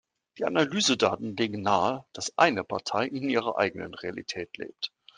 Die Analysedaten legen nahe, dass eine Partei in ihrer eigenen Realität lebt.